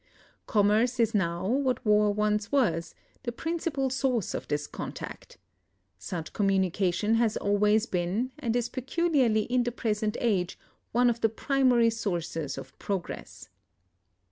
Commerce is now, what war once was, the principal source of this contact. Such communication has always been, and is peculiarly in the present age, one of the primary sources of progress.